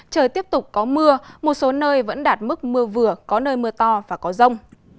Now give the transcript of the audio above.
trời tiếp tục có mưa một số nơi vẫn đạt mức mưa vừa có nơi mưa to và có rông